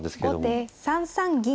後手３三銀。